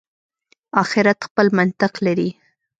آخرت خپل منطق لري.